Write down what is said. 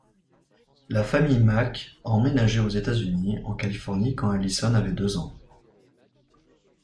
La famille Mack a emménagé aux États-Unis, en Californie quand Allison avait deux ans.